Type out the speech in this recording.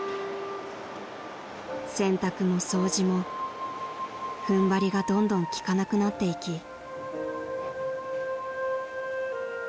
［洗濯も掃除も踏ん張りがどんどん利かなくなっていき］